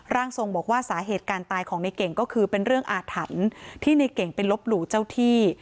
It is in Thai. ร่างทรงบอกว่าสาเหตุการณ์ตายของในเก่งก็คือเป็นเรื่องอาถรรพ์ที่ในเก่งไปลบหลู่เจ้าที่